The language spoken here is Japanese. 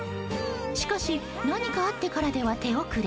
しかし何かあってからでは手遅れ。